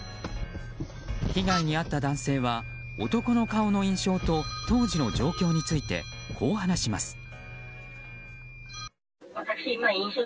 被害に遭った男性は男の顔の印象と当時の状況についてこう話します。